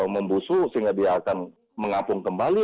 membusu sehingga dia akan mengapung kembali